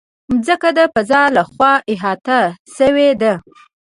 مځکه د فضا له خوا احاطه شوې ده.